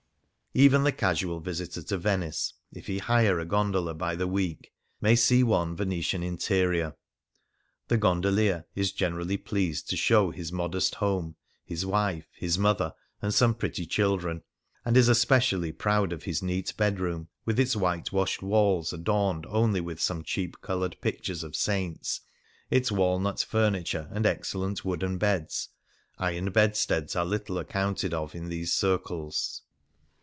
"" Even the casual visitor to Venice, if he hire a gondola by the week, may see one Venetian interior. The gondolier is generally pleased to show his modest home, his wife, his mother, and some pretty children, and is especially proud of his neat bedroom, with its whitewashed walls adorned only with some cheap coloured pictures of saints, its walnut furniture and excellent wooden beds — iron bedsteads are little accounted of in these circles.